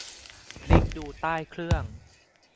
พลิกดูใต้เครื่อง